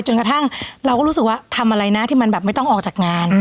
จนกระทั่งเราก็รู้สึกว่าทำอะไรนะที่มันแบบไม่ต้องออกจากงาน